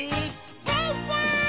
「スイちゃん」！